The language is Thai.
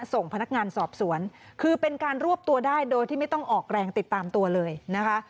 ส่งพนักงานสอบสวนคือเป็นการรวบตัวได้โดยที่ไม่ต้องออกแรงติดตามตัวเลยนะคะ